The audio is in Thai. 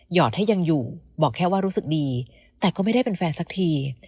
อดให้ยังอยู่บอกแค่ว่ารู้สึกดีแต่ก็ไม่ได้เป็นแฟนสักที